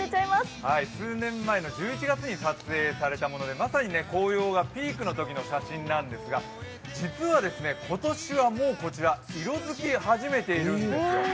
数年前の１１月に撮影されたもので、まさに紅葉がピークのときの写真なんですが、実は今年はもうこちら、色づき始めているんですよ。